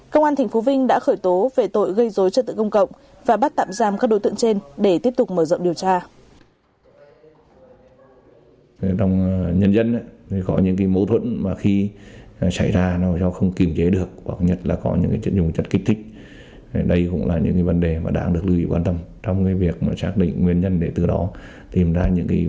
công an thành phố vinh đã khởi tố về tội gây dối trật tự công cộng và bắt tạm giam các đối tượng trên để tiếp tục mở rộng điều tra